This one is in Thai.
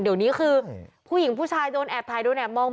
เดี๋ยวนี้คือผู้หญิงผู้ชายโดนแอบถ่ายโดนแอบมอง